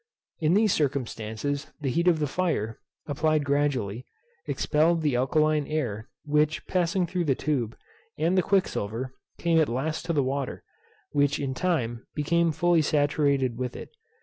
In these circumstances the heat of the fire, applied gradually, expelled the alkaline air, which, passing through the tube, and the quicksilver, came at last to the water, which, in time, became fully saturated with it.